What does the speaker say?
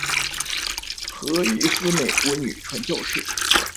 何义思美国女传教士。